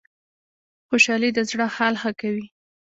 خوشحالي د زړه حال ښه کوي